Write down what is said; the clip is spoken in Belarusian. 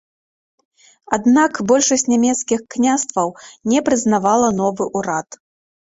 Аднак большасць нямецкіх княстваў не прызнавала новы ўрад.